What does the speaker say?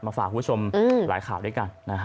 ฝากคุณผู้ชมหลายข่าวด้วยกัน